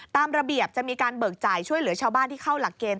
ตามระเบียบจะมีการเบิกจ่ายช่วยเหลือชาวบ้านที่เข้าหลักเกณฑ์